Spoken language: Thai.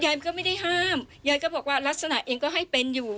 มันก็ไม่ได้ห้ามยายก็บอกว่าลักษณะเองก็ให้เป็นอยู่